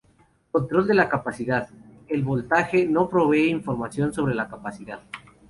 Control de la capacidad: el voltaje no provee información sobre la capacidad.